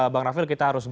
bang raffi kita harus break